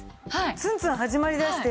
ツンツン始まりだして。